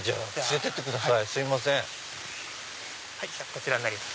こちらになります。